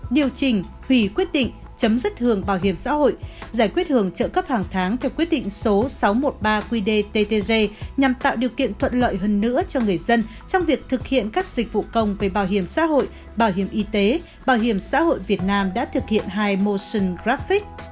điều chỉnh hủy quyết định chấm dứt hưởng bảo hiểm xã hội giải quyết hưởng trợ cấp hàng tháng theo quyết định số sáu trăm một mươi ba qdttg nhằm tạo điều kiện thuận lợi hơn nữa cho người dân trong việc thực hiện các dịch vụ công về bảo hiểm xã hội bảo hiểm y tế bảo hiểm xã hội việt nam đã thực hiện hai motion graffic